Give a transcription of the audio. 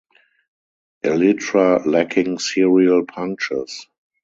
Elytra lacking serial punctures.